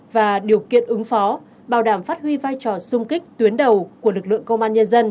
và điều kiện ứng phó bảo đảm phát huy vai trò sung kích tuyến đầu của lực lượng công an nhân dân